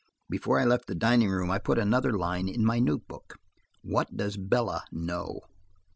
Before I left the dining room I put another line in my notebook: "What does Bella know?"